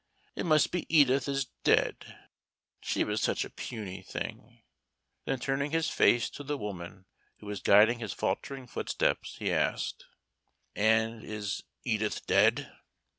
It must be Edith is dead. She was such a puny thing." Then turning his face to the woman who was guiding his faltering footsteps, he asked: "And is Edith dead?"